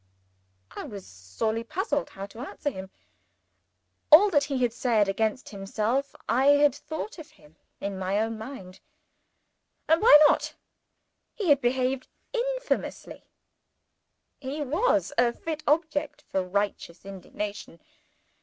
I was sorely puzzled how to answer him. All that he had said against himself, I had thought of him in my own mind. And why not? He had behaved infamously he was a fit object for righteous indignation.